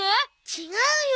違うよ。